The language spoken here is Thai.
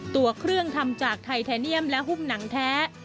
ตัวเครื่องทำจากไทแทเนียมและหุ้มหนังแท้